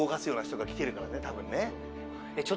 多分ね。